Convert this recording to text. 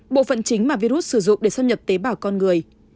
bộ phận chính mà virus sử dụng để xâm nhập tế bào con người